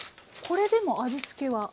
これでもう味付けは。